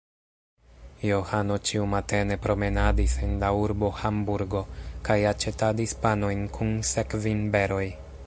Johano ĉiumatene promenadis en la urbo Hamburgo kaj aĉetadis panojn kun sekvinberoj.